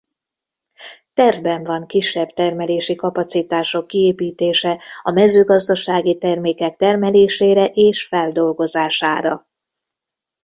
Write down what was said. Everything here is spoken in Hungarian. Tervben van kisebb termelési kapacitások kiépítése a mezőgazdasági termékek termelésére és feldolgozására.